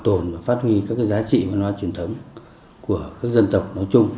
đóng góp nổi bật của ông là một trong những giá trị văn hóa truyền thống của các dân tộc nói chung